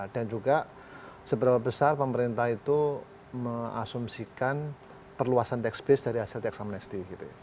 dan juga seberapa besar pemerintah itu measumsikan perluasan tax base dari hasil teksamnesti